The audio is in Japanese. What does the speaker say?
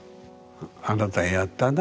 あなたやったな？